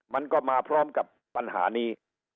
มันก็มาพร้อมกับปัญหานี้